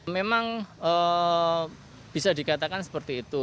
memang bisa dikatakan seperti itu